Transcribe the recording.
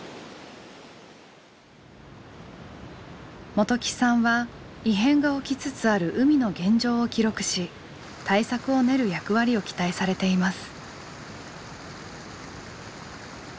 元起さんは異変が起きつつある海の現状を記録し対策を練る役割を期待されています。